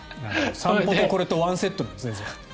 散歩とこれとワンセットなんですね。